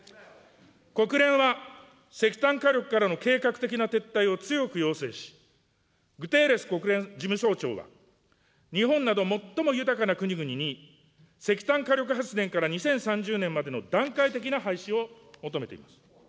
国連は石炭火力からの計画的な撤退を強く要請し、グテーレス国連事務総長は日本など最も豊かな国々に、石炭火力発電から２０３０年までの段階的な廃止を求めています。